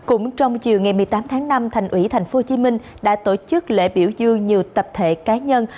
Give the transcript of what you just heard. cũng trong chiều ngày một mươi tám tháng năm thành ủy tp hcm đã tổ chức lễ biểu dương nhiều tập thể cá nhân